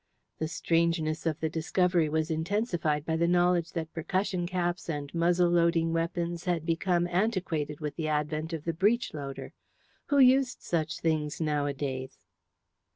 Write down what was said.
The strangeness of the discovery was intensified by the knowledge that percussion caps and muzzle loading weapons had become antiquated with the advent of the breech loader. Who used such things nowadays?